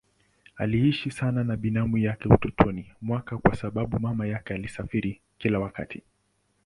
Aliishi sana na binamu yake utotoni mwake kwa sababu mama yake alisafiri kila wakati.